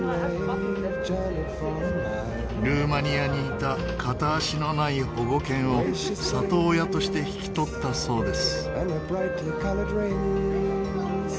ルーマニアにいた片足のない保護犬を里親として引き取ったそうです。